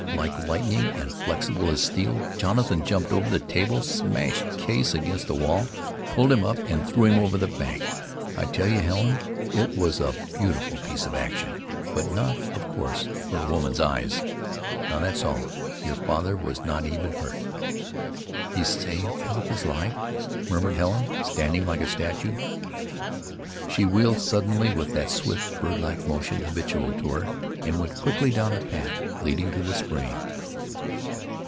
Like lightning, and flexible as steel, Jonathan jumped over the table, smashed Case against the wall, pulled him up and threw him over the bank. I tell you, Helen, it was a beautiful piece of action; but not, of course, for a woman's eyes. Now that's all. Your father was not even hurt." "He saved papa's life," murmured Helen, standing like a statue. She wheeled suddenly with that swift bird like motion habitual to her, and went quickly down the path leading to the spring.